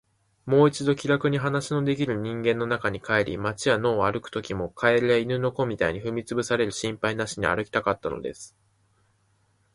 もう一度、気らくに話のできる人間の中に帰り、街や野を歩くときも、蛙や犬の子みたいに踏みつぶされる心配なしに歩きたかったのです。